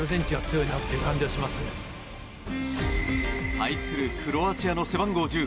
対するクロアチアの背番号１０。